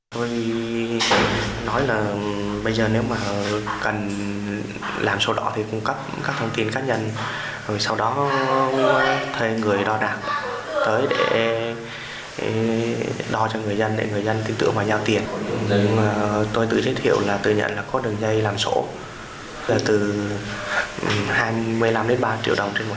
tôi nói là bây giờ nếu mà cần làm sổ đỏ thì cung cấp các thông tin cá nhân sau đó thuê người đo đạc tới để đo cho người dân để người dân tin tưởng vào giao tiền